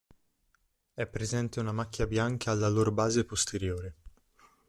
È presente una macchia bianca alla loro base posteriore.